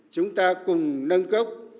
chúng ta cùng nâng cốc